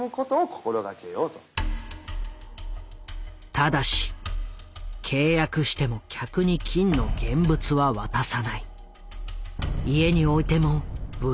ただし契約しても客に金の現物は渡さない。